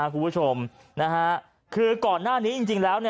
คุณผู้ชมคือก่อนหน้านี้จริงแล้ว